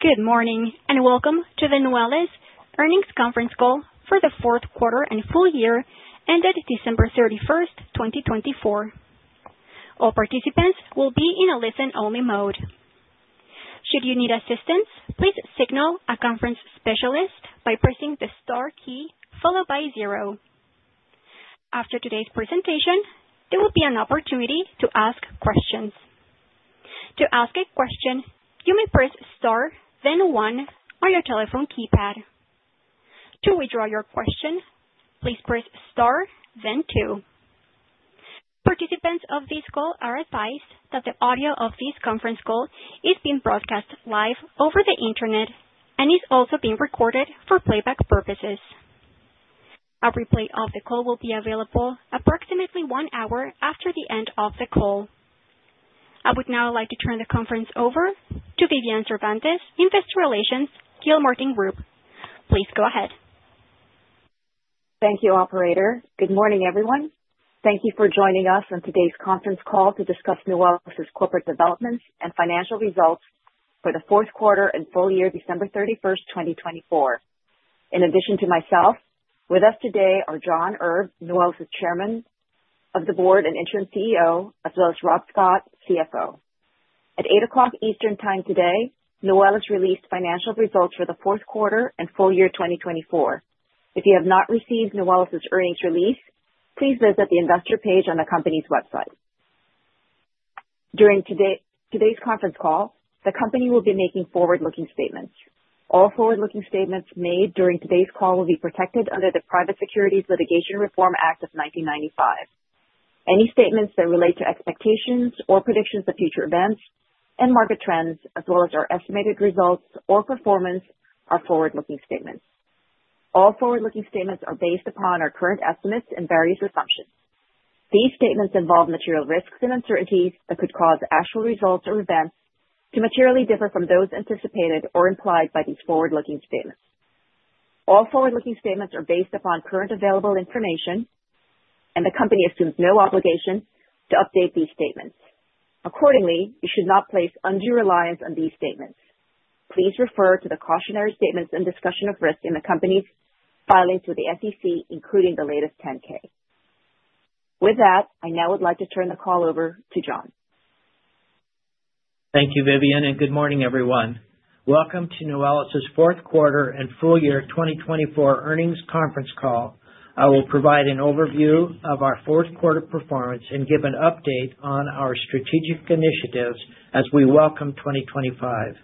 Good morning and welcome to the Nuwellis earnings conference call for the fourth quarter and full year ended December 31st, 2024. All participants will be in a listen-only mode. Should you need assistance, please signal a conference specialist by pressing the star key followed by zero. After today's presentation, there will be an opportunity to ask questions. To ask a question, you may press star, then one, on your telephone keypad. To withdraw your question, please press star, then two. Participants of this call are advised that the audio of this conference call is being broadcast live over the internet and is also being recorded for playback purposes. A replay of the call will be available approximately one hour after the end of the call. I would now like to turn the conference over to Vivian Cervantes, Investor Relations, Gilmartin Group. Please go ahead. Thank you, Operator. Good morning, everyone. Thank you for joining us on today's conference call to discuss Nuwellis' corporate developments and financial results for the fourth quarter and full year, December 31, 2024. In addition to myself, with us today are John Erb, Nuwellis' Chairman of the Board and Interim CEO, as well as Rob Scott, CFO. At 8:00 A.M. Eastern Time today, Nuwellis released financial results for the fourth quarter and full year 2024. If you have not received Nuwellis' earnings release, please visit the investor page on the company's website. During today's conference call, the company will be making forward-looking statements. All forward-looking statements made during today's call will be protected under the Private Securities Litigation Reform Act of 1995. Any statements that relate to expectations or predictions of future events and market trends, as well as our estimated results or performance, are forward-looking statements. All forward-looking statements are based upon our current estimates and various assumptions. These statements involve material risks and uncertainties that could cause actual results or events to materially differ from those anticipated or implied by these forward-looking statements. All forward-looking statements are based upon current available information, and the company assumes no obligation to update these statements. Accordingly, you should not place undue reliance on these statements. Please refer to the cautionary statements and discussion of risk in the company's filings with the SEC, including the latest 10-K. With that, I now would like to turn the call over to John. Thank you, Vivian, and good morning, everyone. Welcome to Nuwellis' fourth quarter and full year 2024 earnings conference call. I will provide an overview of our fourth quarter performance and give an update on our strategic initiatives as we welcome 2025.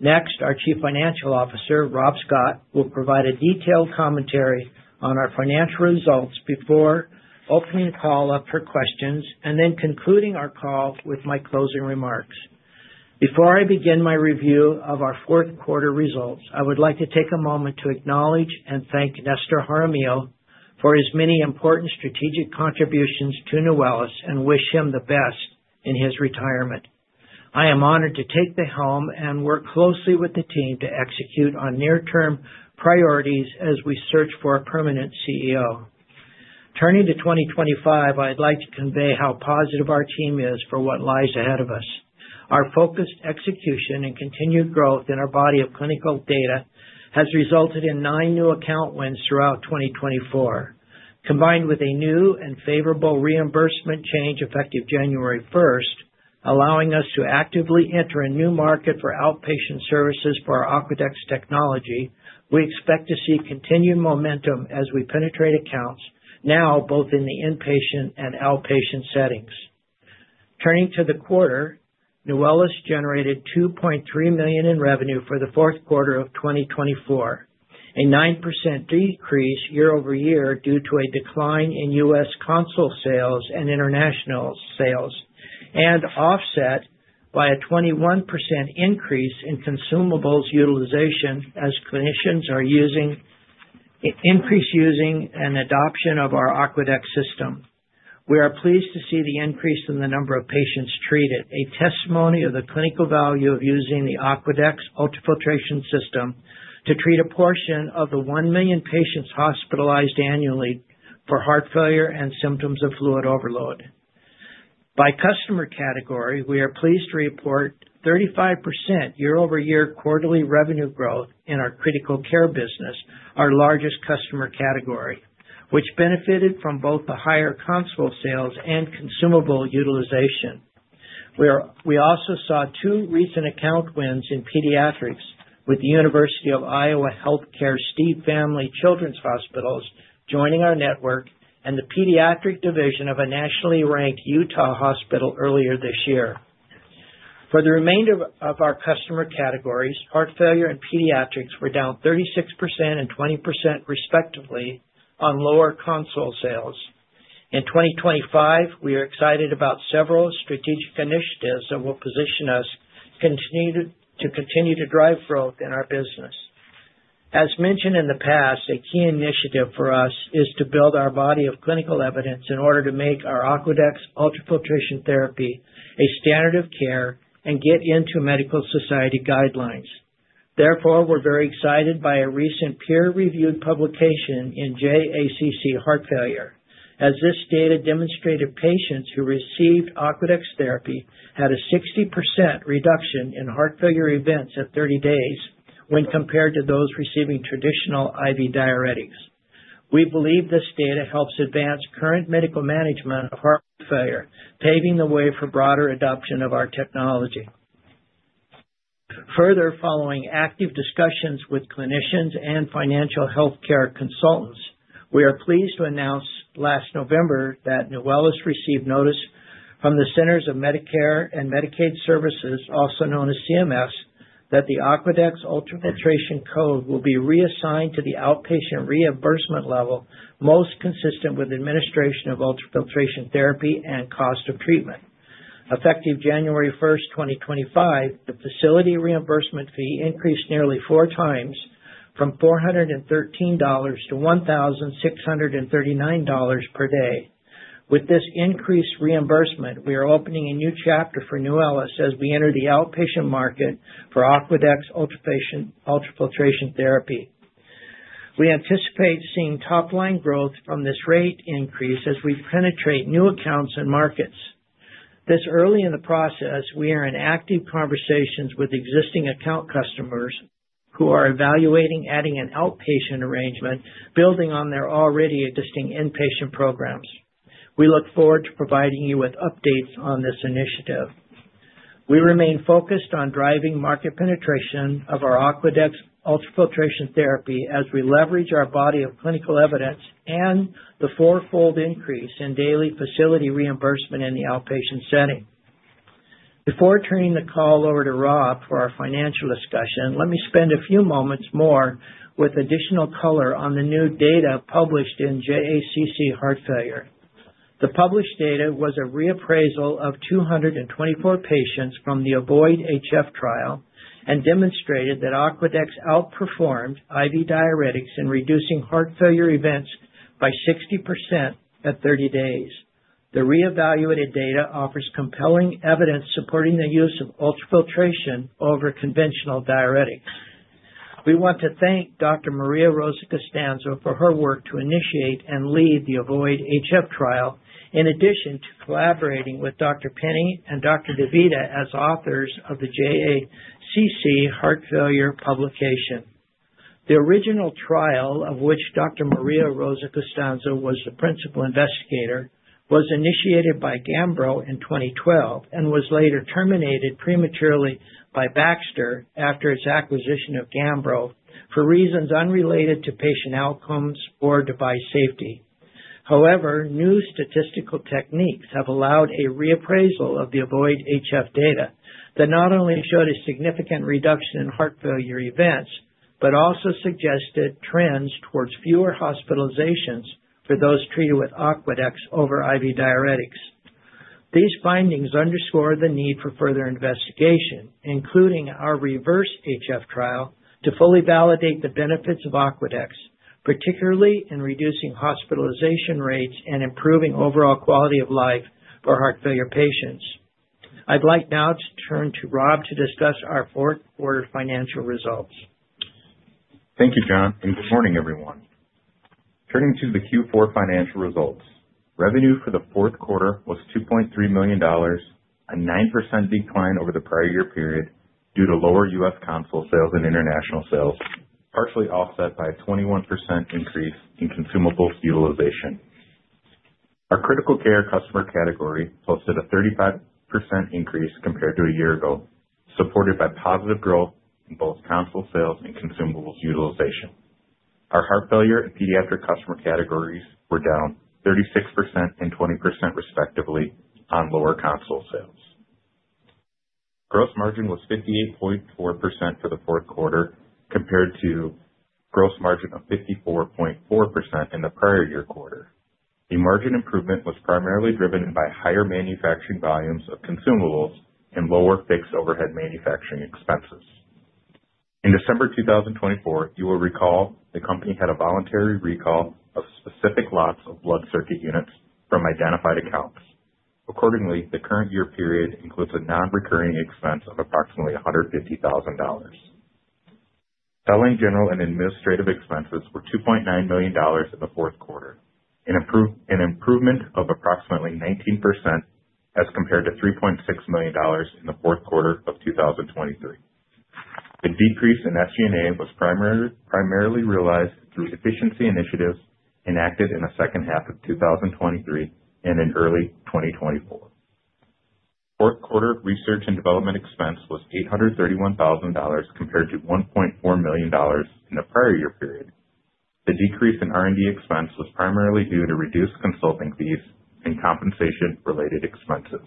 Next, our Chief Financial Officer, Rob Scott, will provide a detailed commentary on our financial results before opening the call up for questions and then concluding our call with my closing remarks. Before I begin my review of our fourth quarter results, I would like to take a moment to acknowledge and thank Nestor Jaramillo for his many important strategic contributions to Nuwellis and wish him the best in his retirement. I am honored to take the helm and work closely with the team to execute on near-term priorities as we search for a permanent CEO. Turning to 2025, I'd like to convey how positive our team is for what lies ahead of us. Our focused execution and continued growth in our body of clinical data has resulted in nine new account wins throughout 2024, combined with a new and favorable reimbursement change effective January 1, allowing us to actively enter a new market for outpatient services for our Aquadex technology. We expect to see continued momentum as we penetrate accounts now both in the inpatient and outpatient settings. Turning to the quarter, Nuwellis generated $2.3 million in revenue for the fourth quarter of 2024, a 9% decrease year over year due to a decline in U.S. console sales and international sales, and offset by a 21% increase in consumables utilization as clinicians are using and adoption of our Aquadex system. We are pleased to see the increase in the number of patients treated, a testimony of the clinical value of using the Aquadex ultrafiltration system to treat a portion of the 1 million patients hospitalized annually for heart failure and symptoms of fluid overload. By customer category, we are pleased to report 35% year-over-year quarterly revenue growth in our critical care business, our largest customer category, which benefited from both the higher console sales and consumable utilization. We also saw two recent account wins in pediatrics with the University of Iowa Healthcare Stead Family Children's Hospital joining our network and the pediatric division of a nationally ranked Utah hospital earlier this year. For the remainder of our customer categories, heart failure and pediatrics were down 36% and 20% respectively on lower console sales. In 2025, we are excited about several strategic initiatives that will position us to continue to drive growth in our business. As mentioned in the past, a key initiative for us is to build our body of clinical evidence in order to make our Aquadex ultrafiltration therapy a standard of care and get into medical society guidelines. Therefore, we're very excited by a recent peer-reviewed publication in JACC: Heart Failure, as this data demonstrated patients who received Aquadex therapy had a 60% reduction in heart failure events at 30 days when compared to those receiving traditional IV diuretics. We believe this data helps advance current medical management of heart failure, paving the way for broader adoption of our technology. Further, following active discussions with clinicians and financial healthcare consultants, we are pleased to announce last November that Nuwellis received notice from the Centers for Medicare and Medicaid Services, also known as CMS, that the Aquadex ultrafiltration code will be reassigned to the outpatient reimbursement level most consistent with administration of ultrafiltration therapy and cost of treatment. Effective January 1st, 2025, the facility reimbursement fee increased nearly four times from $413 to $1,639 per day. With this increased reimbursement, we are opening a new chapter for Nuwellis as we enter the outpatient market for Aquadex ultrafiltration therapy. We anticipate seeing top-line growth from this rate increase as we penetrate new accounts and markets. This early in the process, we are in active conversations with existing account customers who are evaluating adding an outpatient arrangement, building on their already existing inpatient programs. We look forward to providing you with updates on this initiative. We remain focused on driving market penetration of our Aquadex ultrafiltration therapy as we leverage our body of clinical evidence and the four-fold increase in daily facility reimbursement in the outpatient setting. Before turning the call over to Rob for our financial discussion, let me spend a few moments more with additional color on the new data published in JACC: Heart Failure. The published data was a reappraisal of 224 patients from the AVOID-HF trial and demonstrated that Aquadex outperformed IV diuretics in reducing heart failure events by 60% at 30 days. The reevaluated data offers compelling evidence supporting the use of ultrafiltration over conventional diuretics. We want to thank Dr. Maria Rosa Costanzo for her work to initiate and lead the AVOID-HF trial, in addition to collaborating with Dr. Pinney and Dr. DeVita as authors of the JACC: Heart Failure publication. The original trial, of which Dr. Maria Rosa Costanzo was the principal investigator, was initiated by Gambro in 2012 and was later terminated prematurely by Baxter after its acquisition of Gambro for reasons unrelated to patient outcomes or device safety. However, new statistical techniques have allowed a reappraisal of the AVOID-HF data that not only showed a significant reduction in heart failure events but also suggested trends towards fewer hospitalizations for those treated with Aquadex over IV diuretics. These findings underscore the need for further investigation, including our REVERSE-HF trial, to fully validate the benefits of Aquadex, particularly in reducing hospitalization rates and improving overall quality of life for heart failure patients. I'd like now to turn to Rob to discuss our fourth quarter financial results. Thank you, John, and good morning, everyone. Turning to the Q4 financial results, revenue for the fourth quarter was $2.3 million, a 9% decline over the prior year period due to lower U.S. console sales and international sales, partially offset by a 21% increase in consumables utilization. Our critical care customer category posted a 35% increase compared to a year ago, supported by positive growth in both console sales and consumables utilization. Our heart failure and pediatric customer categories were down 36% and 20% respectively on lower console sales. Gross margin was 58.4% for the fourth quarter compared to gross margin of 54.4% in the prior year quarter. The margin improvement was primarily driven by higher manufacturing volumes of consumables and lower fixed overhead manufacturing expenses. In December 2024, you will recall the company had a voluntary recall of specific lots of blood circuit units from identified accounts. Accordingly, the current year period includes a non-recurring expense of approximately $150,000. Selling general and administrative expenses were $2.9 million in the fourth quarter, an improvement of approximately 19% as compared to $3.6 million in the fourth quarter of 2023. The decrease in SG&A was primarily realized through efficiency initiatives enacted in the second half of 2023 and in early 2024. Fourth quarter research and development expense was $831,000 compared to $1.4 million in the prior year period. The decrease in R&D expense was primarily due to reduced consulting fees and compensation-related expenses.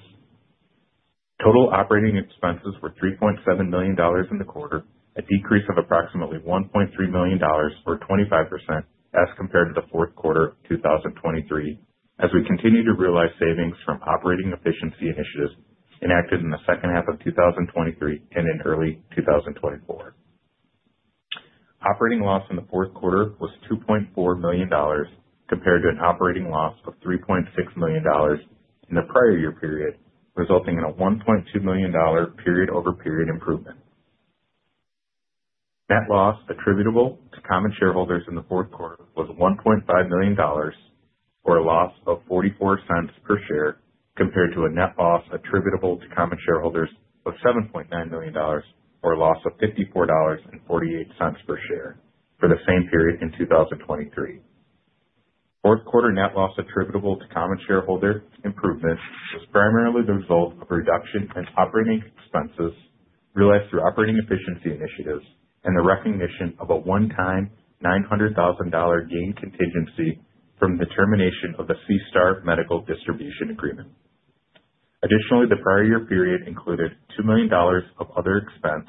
Total operating expenses were $3.7 million in the quarter, a decrease of approximately $1.3 million, or 25% as compared to the fourth quarter of 2023, as we continue to realize savings from operating efficiency initiatives enacted in the second half of 2023 and in early 2024. Operating loss in the fourth quarter was $2.4 million compared to an operating loss of $3.6 million in the prior year period, resulting in a $1.2 million period-over-period improvement. Net loss attributable to common shareholders in the fourth quarter was $1.5 million for a loss of $0.44 per share compared to a net loss attributable to common shareholders of $7.9 million for a loss of $54.48 per share for the same period in 2023. Fourth quarter net loss attributable to common shareholder improvement was primarily the result of reduction in operating expenses realized through operating efficiency initiatives and the recognition of a one-time $900,000 gain contingency from the termination of the SeaStar Medical distribution agreement. Additionally, the prior year period included $2 million of other expense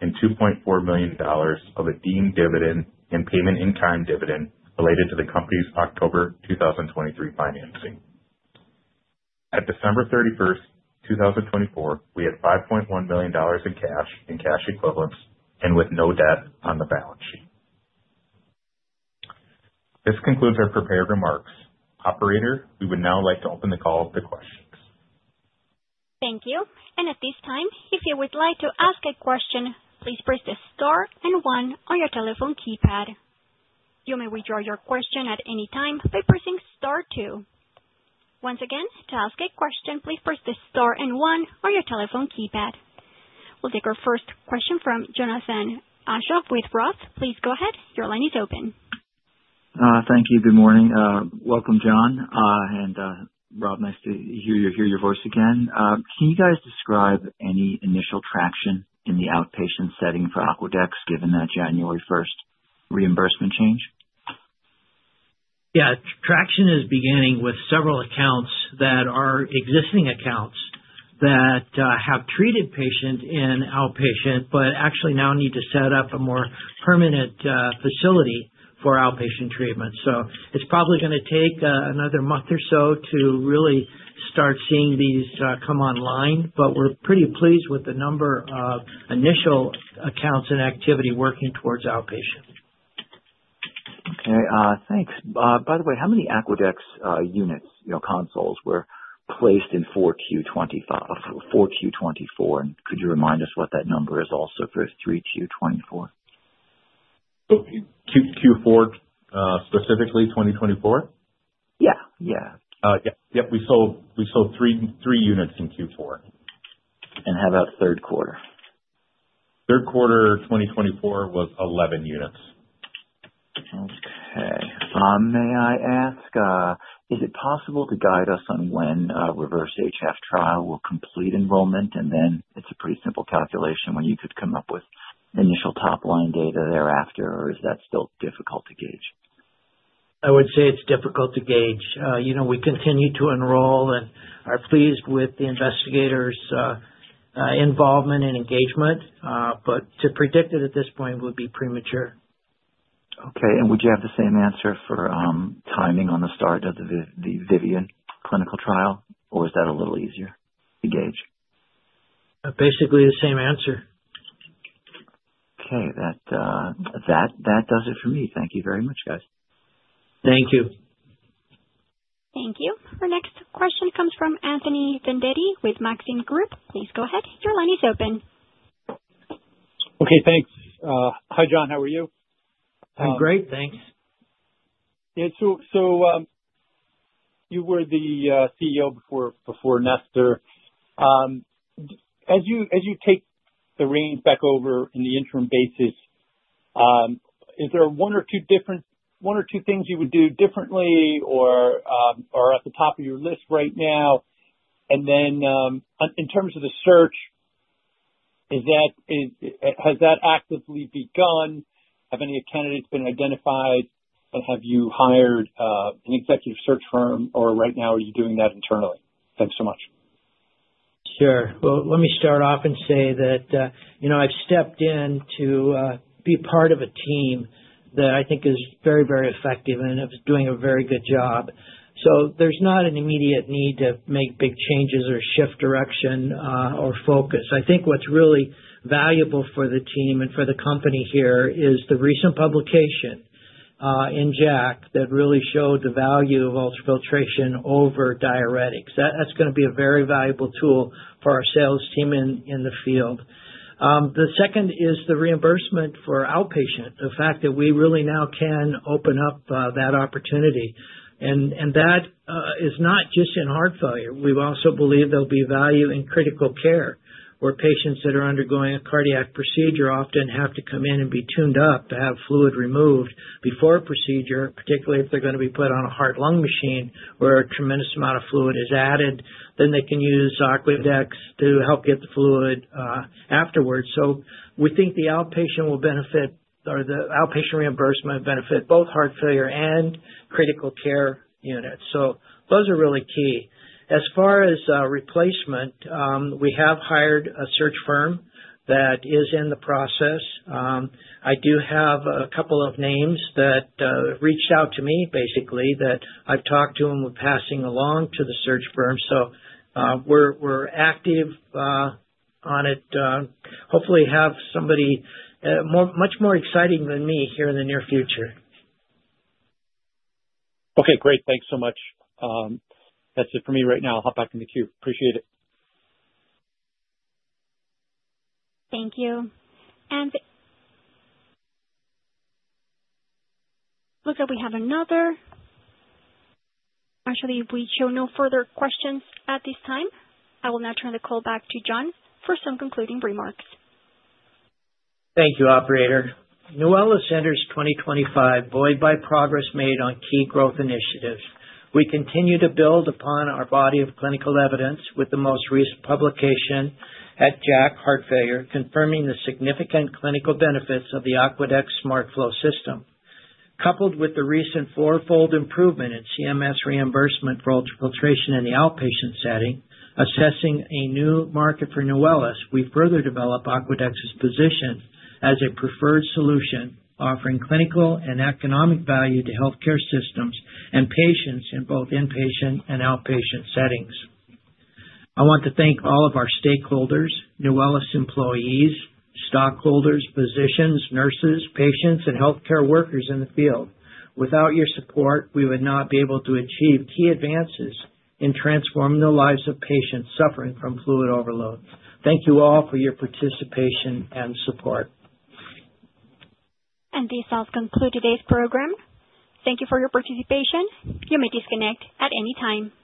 and $2.4 million of a deemed dividend and payment in kind dividend related to the company's October 2023 financing. At December 31st, 2024, we had $5.1 million in cash and cash equivalents and with no debt on the balance sheet. This concludes our prepared remarks. Operator, we would now like to open the call to questions. Thank you. At this time, if you would like to ask a question, please press the star and one on your telephone keypad. You may withdraw your question at any time by pressing star two. Once again, to ask a question, please press the star and one on your telephone keypad. We'll take our first question from Jonathan Aschoff with ROTH. Please go ahead. Your line is open. Thank you. Good morning. Welcome, John. Rob, nice to hear your voice again. Can you guys describe any initial traction in the outpatient setting for Aquadex given that January 1st reimbursement change? Yeah. Traction is beginning with several accounts that are existing accounts that have treated patients in outpatient but actually now need to set up a more permanent facility for outpatient treatment. It is probably going to take another month or so to really start seeing these come online. We are pretty pleased with the number of initial accounts and activity working towards outpatient. Okay. Thanks. By the way, how many Aquadex units, consoles were placed in 4Q 2024? And could you remind us what that number is also for 3Q 2024? Q4 specifically, 2024? Yeah. Yeah. Yep. Yep. We sold three units in Q4. How about third quarter? Third quarter 2024 was 11 units. Okay. May I ask, is it possible to guide us on when REVERSE-HF trial will complete enrollment? And then it's a pretty simple calculation when you could come up with initial top-line data thereafter, or is that still difficult to gauge? I would say it's difficult to gauge. We continue to enroll and are pleased with the investigators' involvement and engagement. To predict it at this point would be premature. Okay. Would you have the same answer for timing on the start of the Vivian clinical trial, or is that a little easier to gauge? Basically the same answer. Okay. That does it for me. Thank you very much, guys. Thank you. Thank you. Our next question comes from Anthony Vendetti with Maxim Group. Please go ahead. Your line is open. Okay. Thanks. Hi, John. How are you? I'm great. Thanks. Yeah. You were the CEO before Nestor. As you take the reins back over in the interim basis, is there one or two things you would do differently or at the top of your list right now? In terms of the search, has that actively begun? Have any candidates been identified? Have you hired an executive search firm? Right now, are you doing that internally? Thanks so much. Sure. Let me start off and say that I've stepped in to be part of a team that I think is very, very effective and is doing a very good job. There is not an immediate need to make big changes or shift direction or focus. I think what's really valuable for the team and for the company here is the recent publication in JACC that really showed the value of ultrafiltration over diuretics. That is going to be a very valuable tool for our sales team in the field. The second is the reimbursement for outpatient, the fact that we really now can open up that opportunity. That is not just in heart failure. We also believe there'll be value in critical care where patients that are undergoing a cardiac procedure often have to come in and be tuned up to have fluid removed before a procedure, particularly if they're going to be put on a heart-lung machine where a tremendous amount of fluid is added, then they can use Aquadex to help get the fluid afterwards. We think the outpatient will benefit or the outpatient reimbursement will benefit both heart failure and critical care units. Those are really key. As far as replacement, we have hired a search firm that is in the process. I do have a couple of names that reached out to me, basically, that I've talked to and we're passing along to the search firm. We're active on it. Hopefully, have somebody much more exciting than me here in the near future. Okay. Great. Thanks so much. That's it for me right now. I'll hop back in the queue. Appreciate it. Thank you. It looks like we have another. Actually, if we show no further questions at this time, I will now turn the call back to John for some concluding remarks. Thank you, Operator. Nuwellis centers 2025 void by progress made on key growth initiatives. We continue to build upon our body of clinical evidence with the most recent publication at JACC: Heart Failure confirming the significant clinical benefits of the Aquadex SmartFlow System. Coupled with the recent four-fold improvement in CMS reimbursement for ultrafiltration in the outpatient setting, assessing a new market for Nuwellis, we further develop Aquadex's position as a preferred solution offering clinical and economic value to healthcare systems and patients in both inpatient and outpatient settings. I want to thank all of our stakeholders, Nuwellis employees, stockholders, physicians, nurses, patients, and healthcare workers in the field. Without your support, we would not be able to achieve key advances in transforming the lives of patients suffering from fluid overload. Thank you all for your participation and support. This does conclude today's program. Thank you for your participation. You may disconnect at any time.